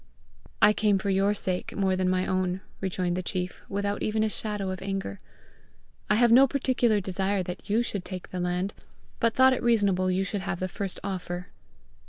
"I came for your sake more than my own," rejoined the chief, without even a shadow of anger. "I have no particular desire you should take the land, but thought it reasonable you should have the first offer."